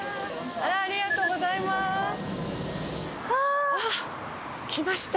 あらありがとうございます。来ました！